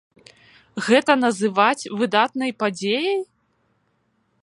Гэта называць выдатнай падзеяй?